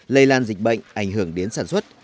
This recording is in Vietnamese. lây lan dịch bệnh ảnh hưởng đến sản xuất